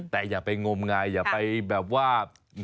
แต่อย่าไปงมงายอย่าไปแบบว่า